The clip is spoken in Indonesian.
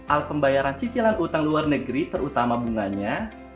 alat pembayaran cicilan utang luar negeri terutama bunganya